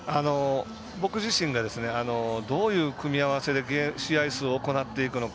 僕自身がどういう組み合わせで試合数を行っていくのか。